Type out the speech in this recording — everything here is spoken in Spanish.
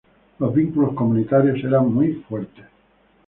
Los vínculos comunitarios eran muy fuertes.